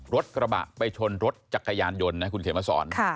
รถกระบะไปชนรถจักรยานยนต์นะคุณเขียนมาสอน